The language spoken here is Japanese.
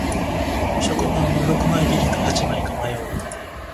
食パンは六枚切りか八枚か迷う